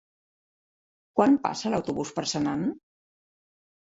Quan passa l'autobús per Senan?